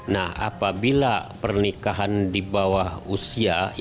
nah apabila pernikahan di bawah usia